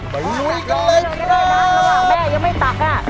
ไปลุยกันเลยครับ